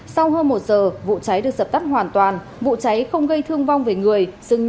sau hơn một giờ vụ cháy được sập tắt hoàn toàn vụ cháy không gây thương vong về người